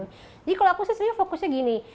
jadi kalau aku sih sebenernya fokusnya gini